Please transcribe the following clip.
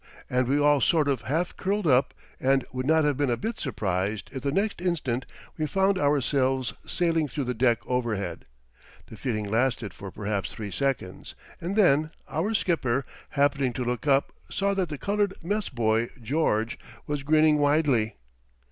and we all sort of half curled up, and would not have been a bit surprised if the next instant we found ourselves sailing through the deck overhead. The feeling lasted for perhaps three seconds, and then our skipper, happening to look up, saw that the colored mess boy George was grinning widely.